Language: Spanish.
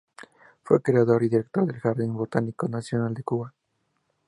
Fue creador y director del Jardín Botánico Nacional, de Cuba.